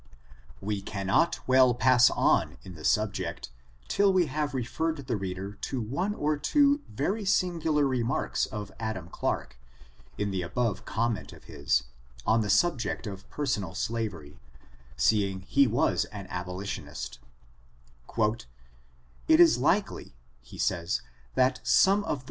We cannot well pass on in the subject till we have referred the reader to one or two very singular re marks of Adam Clarke, in the above comment of his, on the subject of personal slavery, seeing he was an abolitionist: "It is likely (he savs) that some of the FORTUNES, OF THE NEGRO RACE.